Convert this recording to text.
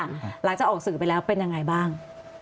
หลังจากออกสื่อไปแล้วเป็นยังไงบ้าง